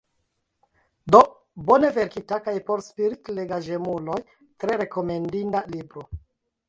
Do: bone verkita, kaj por spiritlegaĵemuloj tre rekomendinda libro.